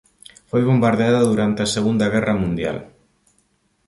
Foi bombardeada durante a Segunda Guerra Mundial.